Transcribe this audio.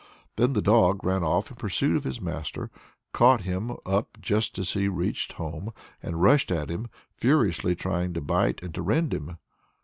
Then the dog ran off in pursuit of its master, caught him up just as he reached home, and rushed at him, furiously trying to bite and to rend him.